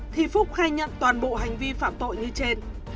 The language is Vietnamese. thì phúc khai nhận toàn bộ hành vi phạm tội như trên